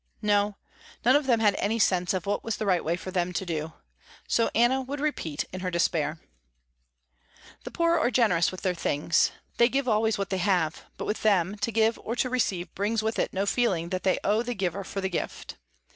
No, none of them had any sense of what was the right way for them to do. So Anna would repeat in her despair. The poor are generous with their things. They give always what they have, but with them to give or to receive brings with it no feeling that they owe the giver for the gift.